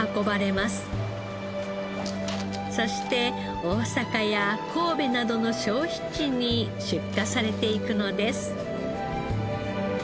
そして大阪や神戸などの消費地に出荷されていくのです。